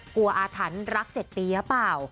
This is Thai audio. กลัวอาถรรย์รัก๗ปีหรอเปล่า